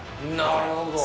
なるほど。